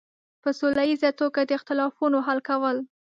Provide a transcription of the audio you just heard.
په سوله ییزه توګه د اختلافونو حل کول.